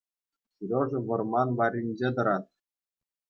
Сережа вӑрман варринче тӑрать.